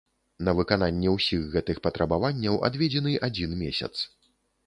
На выкананне ўсіх гэтых патрабаванняў адведзены адзін месяц.